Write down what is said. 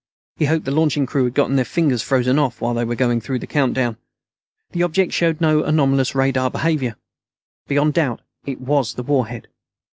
He hoped the launching crew had gotten their fingers frozen off while they were going through the countdown. The object showed no anomalous radar behavior. Beyond doubt, it was the warhead.